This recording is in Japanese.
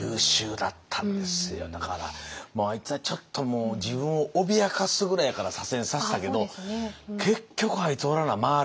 あいつはちょっともう自分を脅かすぐらいやから左遷させたけど結局あいつおらな回れへんなとか。